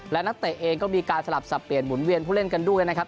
และนักเตะเองก็มีการสลับสับเปลี่ยนหมุนเวียนผู้เล่นกันด้วยนะครับ